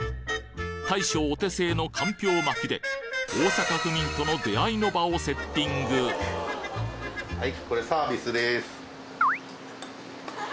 大将お手製のかんぴょう巻きで大阪府民との出会いの場をセッティングはい。